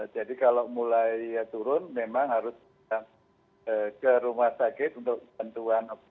jadi kalau mulai turun memang harus ke rumah sakit untuk bantuan